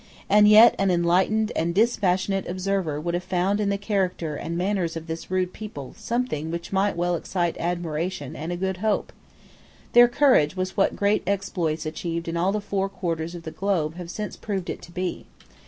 And yet an enlightened and dispassionate observer would have found in the character and manners of this rude people something which might well excite admiration and a good hope. Their courage was what great exploits achieved in all the four quarters of the globe have since proved it to be.